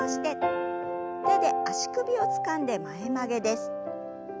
手で足首をつかんで前曲げです。